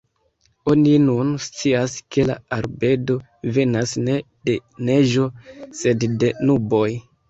Oni nun scias ke la albedo venas ne de neĝo sed de nuboj.